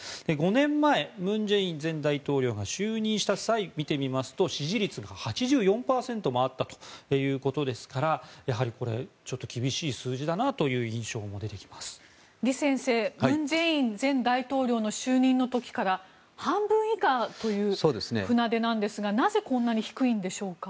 ５年前、文在寅前大統領が就任した際見てみますと、支持率が８４％もあったということですからやはりこれちょっと厳しい数字だなという李先生文在寅前大統領の就任の時から半分以下という船出なんですがなぜこんなに低いんでしょうか。